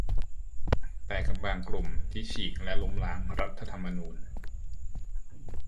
แต่กับบางกลุ่มที่ฉีกและล้มล้างรัฐธรรมนูญ